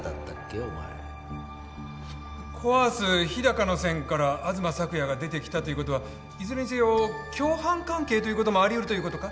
お前コ・アース日高の線から東朔也が出てきたということはいずれにせよ共犯関係ということもありうるということか？